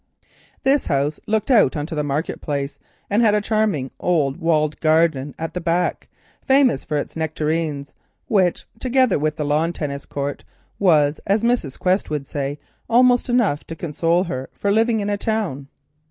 This house looked out on to the market place, and had a charming old walled garden at the back, famous for its nectarines, which, together with the lawn tennis court, was, as Mrs. Quest would say, almost enough to console her for living in a town.